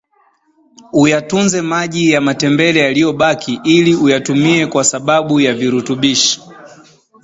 uyatunze maji ya matembele yaliyobaki ili uyatumie kwa sababu yana virutubishi